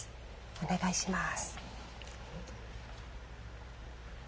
お願いします。